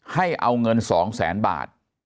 ให้เอาเงิน๒๐๐๐๐๐บาท